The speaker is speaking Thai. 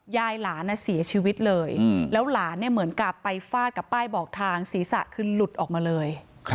ยายหลานเสียชีวิตเลยแล้วหลานเหมือนกับไปฟาดกับป้ายบอกทางศีรษะคือหลุดออกมาเลย